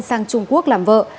sang trung quốc làm vợ